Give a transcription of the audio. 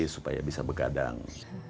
supaya bisa berkadang